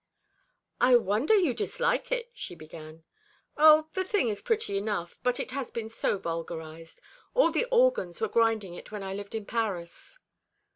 "I wonder you dislike it," she began. "O, the thing is pretty enough; but it has been so vulgarised. All the organs were grinding it when I lived in Paris."